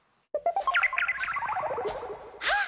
あっ！